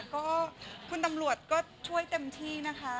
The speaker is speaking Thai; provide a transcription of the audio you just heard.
ก็คุณตำรวจก็ช่วยเต็มที่นะคะ